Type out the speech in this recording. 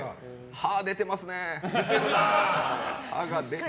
歯出てますね。